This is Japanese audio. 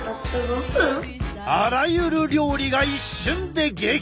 あらゆる料理が一瞬で激ウマに！